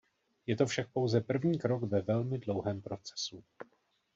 Je to však pouze první krok ve velmi dlouhém procesu.